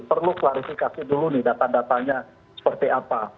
perlu klarifikasi dulu nih data datanya seperti apa